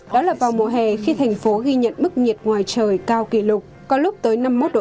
đó là vào mùa hè khi thành phố ghi nhận mức nhiệt ngoài trời cao kỷ lục có lúc tới năm mươi một độ c